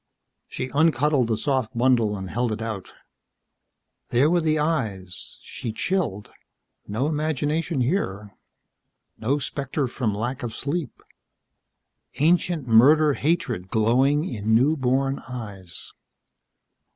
She uncuddled the soft bundle, held it out. There were the eyes. She chilled. No imagination here. No spectre from lack of sleep. Ancient murder hatred glowing in new born eyes.